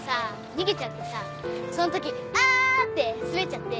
逃げちゃってさその時にあ！って滑っちゃって。